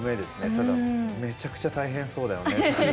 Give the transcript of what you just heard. ただめちゃくちゃ大変そうだよねっていう。